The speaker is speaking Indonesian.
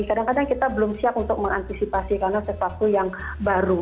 kadang kadang kita belum siap untuk mengantisipasi karena sesuatu yang baru